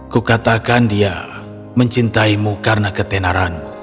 kukatakan dia mencintaimu karena ketenaranmu